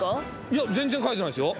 いや全然書いてないっすよ